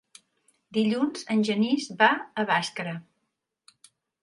Dilluns en Genís va a Bàscara.